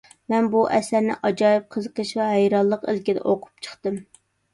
مەن بۇ ئەسەرنى ئاجايىپ قىزىقىش ۋە ھەيرانلىق ئىلكىدە ئوقۇپ چىقتىم.